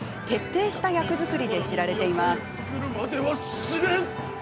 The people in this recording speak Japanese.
徹底した役作りで知られています。